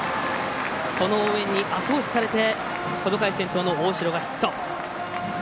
その応援にあと押しされてこの回先頭の大城がヒット。